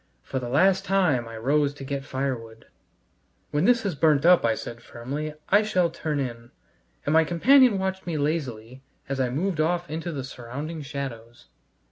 For the last time I rose to get firewood. "When this has burnt up," I said firmly, "I shall turn in," and my companion watched me lazily as I moved off into the surrounding shadows.